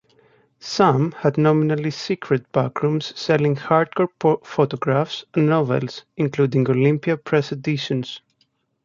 Some had nominally "secret" backrooms selling hardcore photographs and novels, including Olympia Press editions.